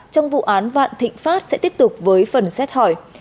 trong vụ án vạn thịnh pháp sẽ tiếp tục với phần xét hỏi